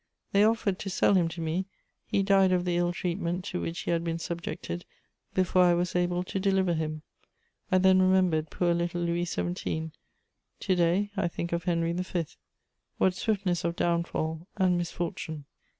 They offered to sell him to me: he died of the ill treatment to which he had been subjected before I was able to deliver him. I then remembered poor little Louis XVII.; to day I think of Henry V.: what swiftness of downfall and misfortune!